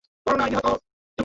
বিবাদী তার বক্তব্য শেষ করছে।